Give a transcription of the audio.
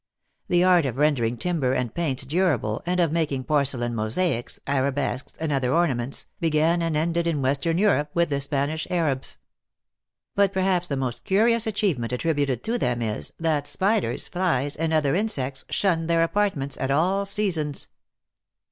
The art of rendering timber and paints durable, and of making porcelain mosaics, arabesques, and other ornaments, began and ended in western Europe with the Spanish Arabs. But perhaps the most curious achievement attributed to them is, that spiders, flies, and other insects, shunned their apartments at all seasons."